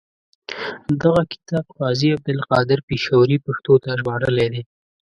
دغه کتاب قاضي عبدالقادر پیښوري پښتو ته ژباړلی دی.